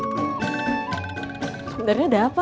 sebenarnya ada apa